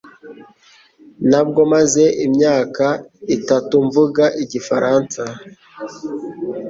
Ntabwo maze imyaka itatu mvuga igifaransa